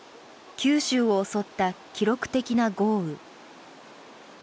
九州を襲った記録的な豪雨。